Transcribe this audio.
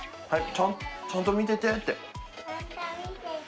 ちゃんと見ててって。